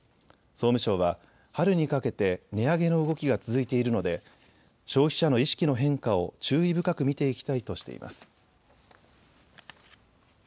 総務省は春にかけて値上げの動きが続いているので消費者の意識の変化を注意深く見ていきたいとしています。